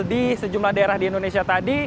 di sejumlah daerah di indonesia tadi